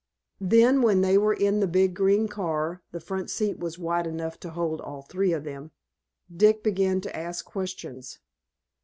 Then, when they were in the big green car (the front seat was wide enough to hold all three of them), Dick began to ask questions.